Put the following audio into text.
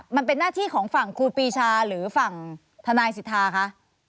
มันเป็นหน้าที่ของฝั่งครูปีชาหรือฝั่งทนายสิทธาคะ